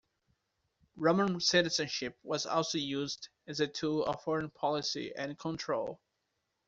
Roman citizenship was also used as a tool of foreign policy and control.